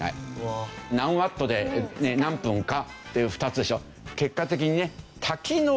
何ワットで何分かっていう２つでしょ。